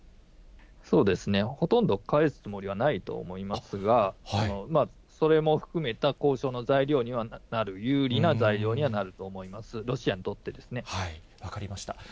そうですね、ほとんど返すつもりはないと思いますが、それも含めた交渉の材料にはなる、有利な材料にはなると思います、分かりました。